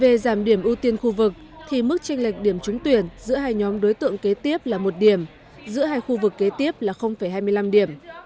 về giảm điểm ưu tiên khu vực thì mức tranh lệch điểm trúng tuyển giữa hai nhóm đối tượng kế tiếp là một điểm giữa hai khu vực kế tiếp là hai mươi năm điểm